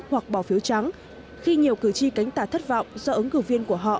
hoặc bỏ phiếu trắng khi nhiều cử tri cánh tả thất vọng do ứng cử viên của họ